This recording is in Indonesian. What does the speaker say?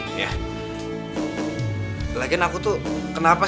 itu hal yang mengapa